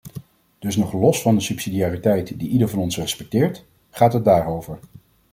Dus nog los van de subsidiariteit die ieder van ons respecteert, gaat het daarover.